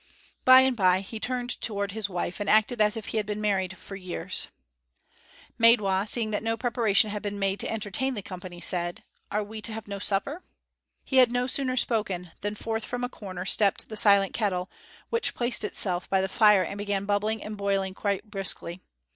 By and by he turned toward his wife and acted as if he had been married for years. Maidwa, seeing that no preparation had been made to entertain the company, said, "Are we to have no supper?" He had no sooner spoken, than forth from a corner stepped the silent kettle, which placed itself by the fire and began bubbling and boiling quite briskly.